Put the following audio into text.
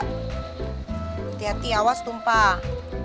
hati hati awas tumpah